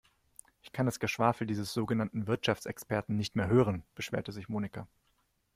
Ich kann das Geschwafel dieses sogenannten Wirtschaftsexperten nicht mehr hören, beschwerte sich Monika.